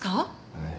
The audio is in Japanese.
はい。